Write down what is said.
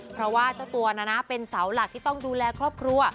เพราะว่าเจ้าตัวนะนะเป็นเสาหลักที่ต้องดูแลครอบครัว